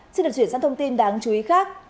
xin được chuyển sang thông tin đáng chú ý khác